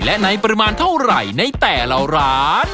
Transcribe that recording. และในปริมาณเท่าไหร่ในแต่ละร้าน